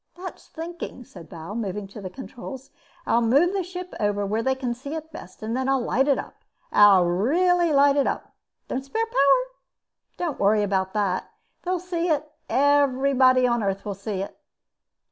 "That's thinking," said Bal, moving to the controls. "I'll move the ship over where they can see it best and then I'll light it up. I'll really light it up." "Don't spare power." "Don't worry about that. They'll see it. Everybody on Earth will see it."